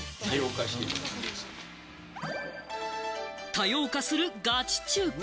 多様化するガチ中華。